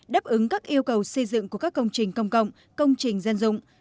đáp ứng các yêu cầu xây dựng của các công trình công cộng công trình dân dụng